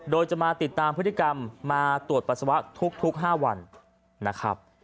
โดยจะมาติดตามพฤติกรรมมาตรวจปัสสาวะทุก๕วันนะครับ